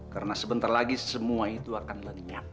karena sebentar lagi semua itu akan lenyap